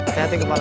sehat ya kepala